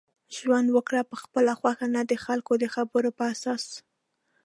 ژوند وکړه په خپله خوښه نه دخلکو دخبرو په اساس